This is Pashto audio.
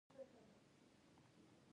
د میرمنو کار د زدکړو دوام سبب ګرځي.